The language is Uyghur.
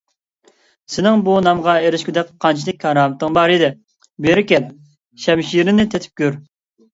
سېنىڭ بۇ نامغا ئېرىشكۈدەك قانچىلىك كارامىتىڭ بـار ئىـدى؟ بېـرى كـەل، شەمـشىـرىمـنى تېتىپ كۆرگىن!